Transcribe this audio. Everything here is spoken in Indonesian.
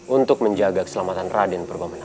untuk menjaga keselamatan raden purba menak